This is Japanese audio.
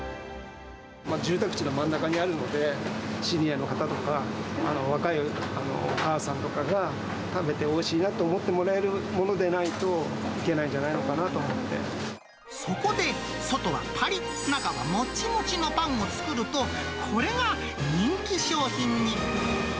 住宅地の真ん中にあるので、シニアの方とか、若いお母さんとかが食べておいしいなと思ってもらえるものでないと、そこで、外はぱりっ、中はもっちもちのパンを作ると、これが人気商品に。